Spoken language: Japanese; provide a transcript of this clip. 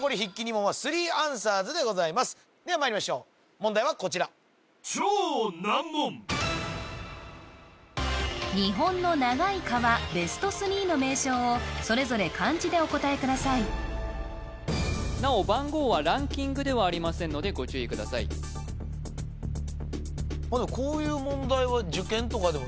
２問はスリーアンサーズでございますではまいりましょう問題はこちら日本の長い川ベスト３の名称をそれぞれ漢字でお答えくださいなお番号はランキングではありませんのでご注意くださいそうですね